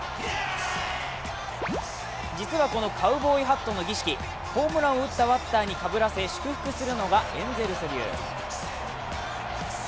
実はこのカーボーイハットの儀式、ホームランを打ったバッターにかぶせ祝福するのがエンゼルス流。